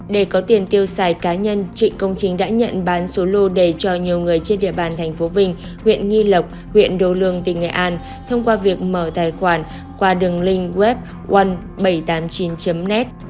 để có tiền tiêu xài cá nhân trịnh công chính đã nhận bán số lô đề cho nhiều người trên địa bàn tp vinh huyện nghi lộc huyện đô lương tỉnh nghệ an thông qua việc mở tài khoản qua đường link web oan bảy trăm tám mươi chín net